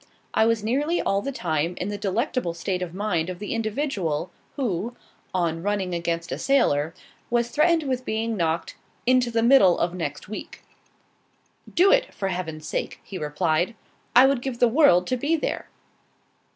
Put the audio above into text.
I was nearly all the time in the delectable state of mind of the individual who, on running against a sailor, was threatened with being knocked "into the middle of next week." "Do it, for heaven's sake!" he replied "I would give the world to be there."